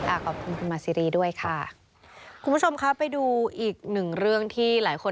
ขอบคุณคุณมาซีรีส์ด้วยค่ะคุณผู้ชมครับไปดูอีกหนึ่งเรื่องที่หลายคน